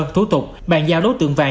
thủ tục bàn giao đốt tượng vạn